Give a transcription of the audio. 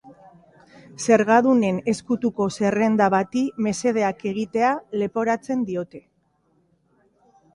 Zergadunen ezkutuko zerrenda bati mesedeak egitea leporatzen diote.